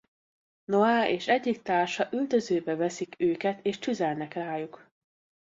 Noah és egyik társa üldözőbe veszik őket és tüzelnek rájuk.